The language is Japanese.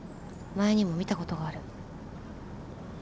前にも見たことがある。